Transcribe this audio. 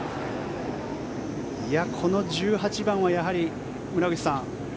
この１８番はやはり村口さん